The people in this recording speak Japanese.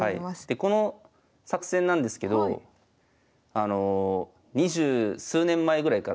でこの作戦なんですけど２０数年前ぐらいからやってまして。